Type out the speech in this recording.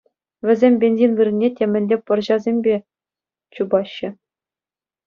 Вӗсем бензин вырӑнне темӗнле пӑрҫасемпе чупаҫҫӗ.